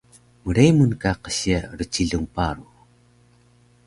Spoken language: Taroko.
Mremun ka qsiya rcilung paru